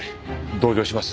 同情します。